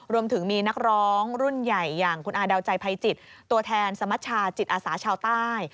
รวมถึงมีนักร้องรุ่นใหญ่อย่างคุณอาดาวใจภัยจิตตัวแทนสมัชชาจิตอาสาชาวใต้